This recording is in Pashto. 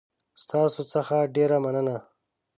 ستاسو څخه ډېره مننه